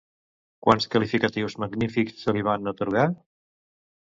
Quants qualificatius magnífics se li van atorgar?